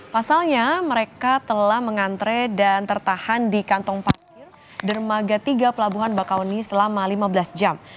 pasalnya mereka telah mengantre dan tertahan di kantong parkir dermaga tiga pelabuhan bakauni selama lima belas jam